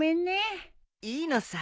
いいのさ。